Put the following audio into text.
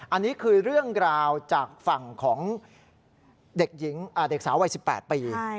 อันนี้คือเรื่องราวจากฝั่งของเด็กหญิงเด็กสาววัย๑๘ปี